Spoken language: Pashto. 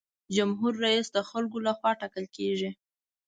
جمهور رئیس د خلکو له خوا ټاکل کیږي.